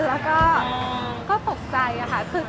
แล้วก็ตกใจค่ะ